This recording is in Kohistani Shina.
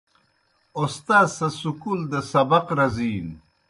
اوستاذ سہ سکول دہ سبق رزِینوْ۔